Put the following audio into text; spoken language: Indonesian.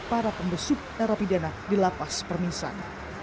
para pembesuk terapi dana di lapas permisan